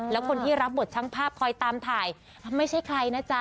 แล้วคนที่รับบทช่างภาพคอยตามถ่ายไม่ใช่ใครนะจ๊ะ